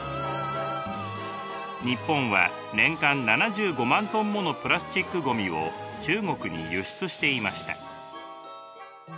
日本は年間７５万ｔものプラスチックごみを中国に輸出していました。